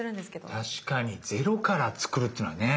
確かにゼロから作るっていうのはね。